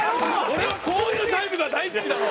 俺はこういうタイプが大好きなの。